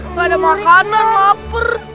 gak ada makanan maper